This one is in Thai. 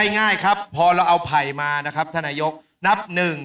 ง่ายครับพอเราเอาไผ่มานะครับท่านนายกนับหนึ่ง